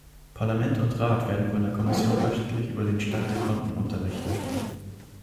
Parlament und Rat werden von der Kommission wöchentlich über den Stand der Konten unterrichtet.